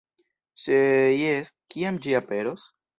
Se jes, kiam ĝi aperos?